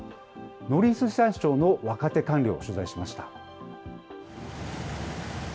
農林水産省の若手官僚を取材しました。